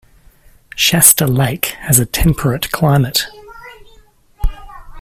Shasta Lake has a temperate climate.